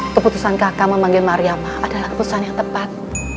keputusan kaka memanggil mariamah adalah keputusan yang tepat